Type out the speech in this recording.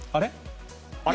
あれ？